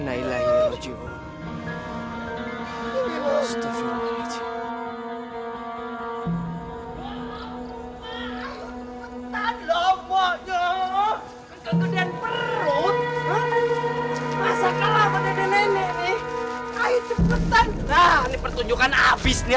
nah ini pertunjukan abis nih abis nih